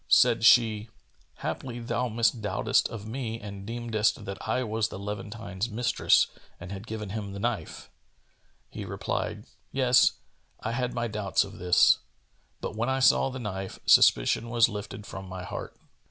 Said she, "Haply thou misdoubtedst of me and deemedst that I was the Levantine's mistress and had given him the knife." He replied, "Yes, I had my doubts of this; but, when I saw the knife, suspicion was lifted from my heart."